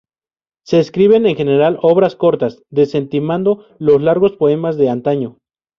Se escriben en general obras cortas, desestimando los largos poemas de antaño.